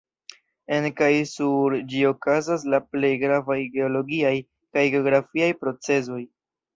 En kaj sur ĝi okazas la plej gravaj geologiaj kaj geografiaj procesoj.